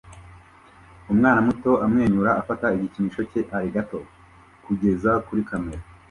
Umwana muto amwenyura afata igikinisho cye alligator kugeza kuri kamera